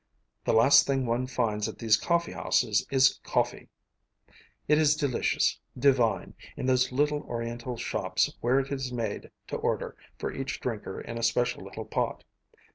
The last thing one finds at these coffee houses is coffee. It is delicious, divine, in those little Oriental shops where it is made to order for each drinker in a special little pot.